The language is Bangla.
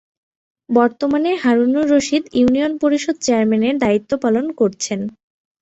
বর্তমানে হারুনুর রশীদ ইউনিয়ন পরিষদ চেয়ারম্যান এর দায়িত্ব পালন করছেন।